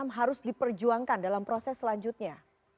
yang harus diperjuangkan dalam proses selanjutnya